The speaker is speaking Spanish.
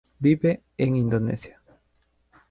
Vive en Indonesia